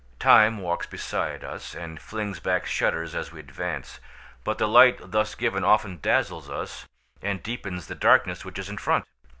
Time walks beside us and flings back shutters as we advance; but the light thus given often dazzles us, and deepens the darkness which is in front.